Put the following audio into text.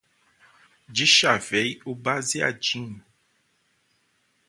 dichavei o baseadinho